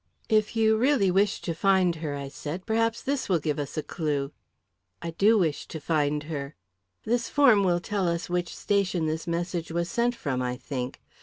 "If you really wish to find her," I said, "perhaps this will give us a clue." "I do wish to find her." "This form will tell us which station this message was sent from, I think.